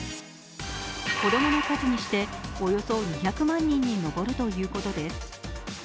子供の数にして、およそ２００万人に上るということです。